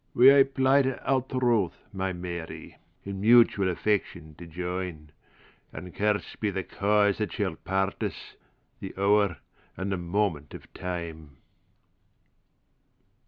We hae plighted our troth, my Mary, In mutual affection to join; And curst be the cause that shall part us! The hour and the moment o' time!